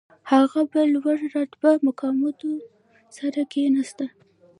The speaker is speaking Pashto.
هغه به له لوړ رتبه مقاماتو سره کښېناسته.